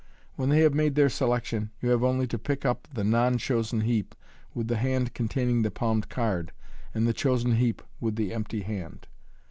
When they have made their selection, you have only to pic*, up the non chosen heap with the hand containing the palmed card, and the chosen heap with the empty hand.